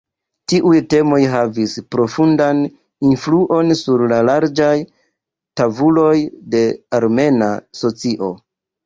Tiuj temoj havis profundan influon sur larĝaj tavoloj de armena socio.